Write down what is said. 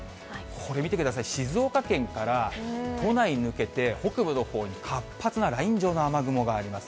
これ見てください、静岡県から都内に抜けて、北部のほうに活発なライン状の雨雲があります。